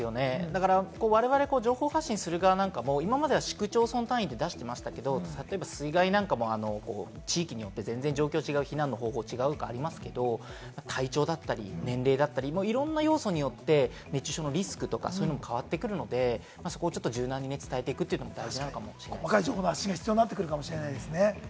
我々、情報発信する側も今までは市区町村単位で出してましたけれども、水害なんかも地域によって状況が違う、避難方法も違うってありますけれども、体調だったり年齢だったり、いろんな要素によって熱中症リスクとかも変わるので、柔軟に伝えていくのも大事なのかもしれないですね。